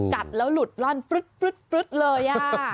กัดแล้วหลุดล่อนปลึ๊ดเลย